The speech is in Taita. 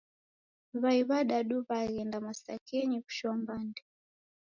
W'ai w'adadu w'aghenda masakenyi kushoa mbande.